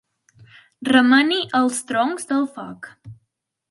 Remeni els troncs del foc.